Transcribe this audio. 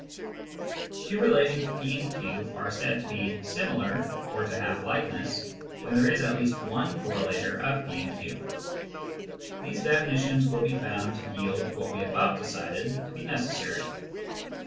Two relations P and Q are said to be " similar," or to have " likeness," when there is at least one correlator of P and Q. These definitions will be found to yield what we above decided to be necessary.